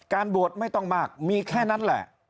บวชไม่ต้องมากมีแค่นั้นแหละ